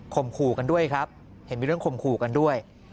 ขู่กันด้วยครับเห็นมีเรื่องข่มขู่กันด้วย